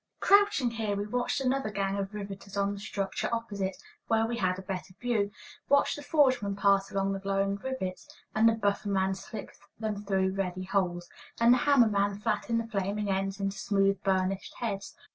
Crouching here, we watched another gang of riveters on the structure opposite, where we had a better view, watched the forge man pass along the glowing rivets, and the buffer man slip them through ready holes, and the hammer man flatten the flaming ends into smooth, burnished heads.